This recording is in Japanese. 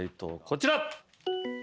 こちら。